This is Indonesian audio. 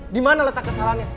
di mana letak kesalahannya